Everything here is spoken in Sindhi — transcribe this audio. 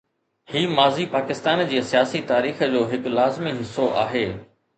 هي ماضي پاڪستان جي سياسي تاريخ جو هڪ لازمي حصو آهي.